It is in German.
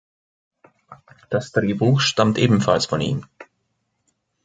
Das Drehbuch stammt ebenfalls von ihm.